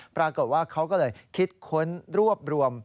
ปรากฏว่าเขาก็เลยคิดค้นรวบรวม